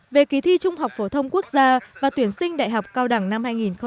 về kỳ thi trung học phổ thông quốc gia và tuyển sinh đại học cao đẳng năm hai nghìn một mươi chín